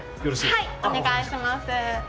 はいお願いします。